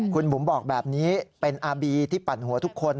คุณบุ๋มบอกแบบนี้เป็นอาร์บีที่ปั่นหัวทุกคน